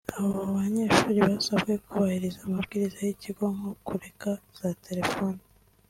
Abo banyeshuri basabwe kubahiriza amabwiriza y’ikigo nko kureka za telefoni